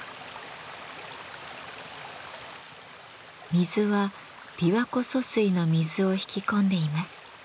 水は琵琶湖疏水の水を引き込んでいます。